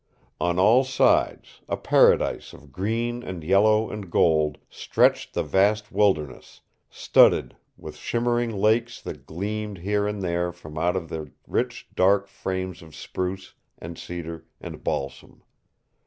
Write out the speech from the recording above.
On all sides, a paradise of green and yellow and gold, stretched the vast wilderness, studded with shimmering lakes that gleamed here and there from out of their rich dark frames of spruce and cedar and balsam.